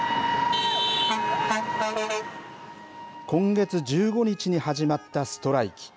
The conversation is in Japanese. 今月１５日に始まったストライキ。